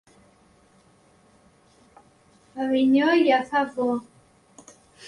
A Avinyó, ja fa por.